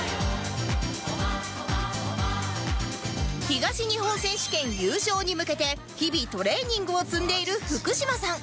東日本選手権優勝に向けて日々トレーニングを積んでいる福島さん